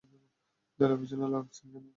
দেয়ালের পিছনে লাগছেন কেন?